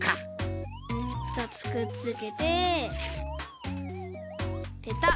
ふたつくっつけてペタッ！